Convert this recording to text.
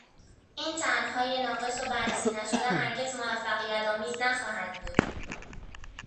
این طرحهای ناقص و بررسی نشده هرگز موفقیتآمیز نخواهد بود